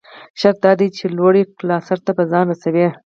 شرط دا دى، چې لوړې کلا سر ته به ځان رسوٸ.